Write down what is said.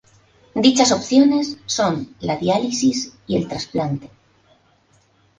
Dichas opciones son la diálisis y el trasplante.